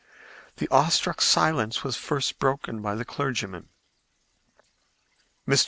The awestruck silence was first broken by the clergyman. "Mr.